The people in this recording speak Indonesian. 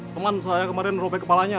teman saya kemarin robek kepalanya